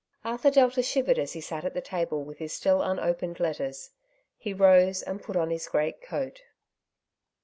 Arthur Delta shivered as he sat at the table with his still unopened letters. He rose and put on his great coat.